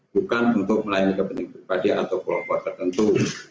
bukan untuk melayani kepentingan pribadi atau kelompok tertentu